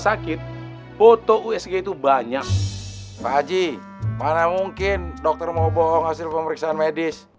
sakit foto usg itu banyak pak haji mana mungkin dokter mau bohong hasil pemeriksaan medis